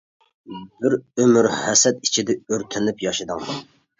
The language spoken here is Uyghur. بىر ئۆمۈر ھەسەت ئىچىدە ئۆرتىنىپ ياشىدىڭ.